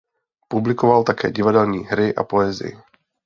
Publikoval také divadelní hry a poezii.